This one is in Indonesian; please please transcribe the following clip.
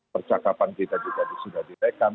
percakapan kita juga sudah direkam